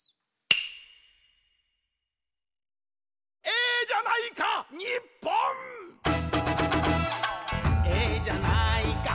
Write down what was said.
「ええじゃないか」